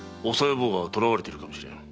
坊が囚われているかもしれん。